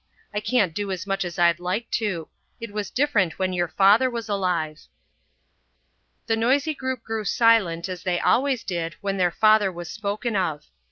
I can't do as much as I'd like to. It was different when your father was alive." The noisy group grew silent as they always did when their father was spoken of.